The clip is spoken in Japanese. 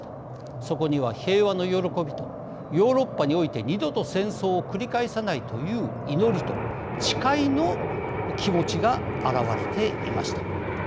そこには平和の喜びとヨーロッパにおいて二度と戦争を繰り返さないという祈りと誓いの気持ちが表れていました。